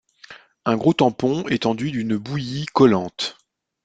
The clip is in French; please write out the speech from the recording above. Un gros tampon est enduit d’une bouillie collante.